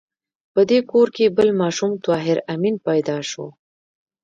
په دې کور کې بل ماشوم طاهر آمین پیدا شو